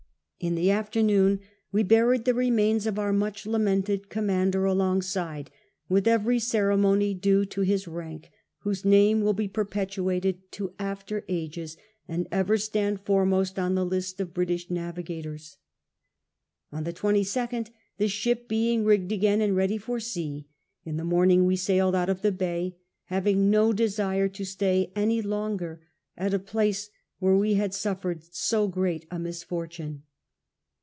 In the afternoon wc? buried the lemains of our miicli lamented commaTider alongside, with eveiy ceremony due to his rank ; whose name will Jje jHjrpetuated to after ages and ever stand foremost on tlie list of British navigators. On the 22nd, tlie ship being rigged again and ready for sea, in the morning we sailed out of the bay ; having no desire to stay any longer at a place where we had suffered so great a niisfortuiie.